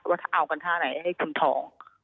ว่าจะเอากันท่าไหนให้ทุนทอง